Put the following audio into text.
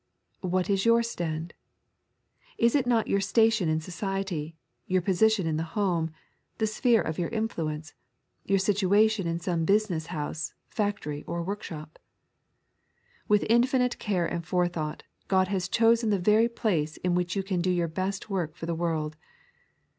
What is your stand t Is it not your station in society, your position in the home, the sphere of your influence, your situation in some business house, factory, or workshop } With infinite care and forethought, God has chosen the very place in which you can do your best work for the world.